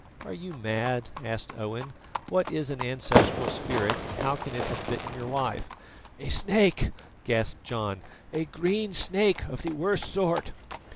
"Are you mad?" asked Owen. "What is an ancestral spirit, and how can it have bitten your wife?" "A snake," gasped John, "a green snake of the worst sort."